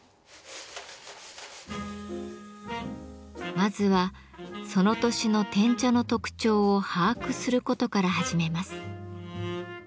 まずはその年の碾茶の特徴を把握することから始めます。